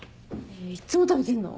いっつも食べてんの？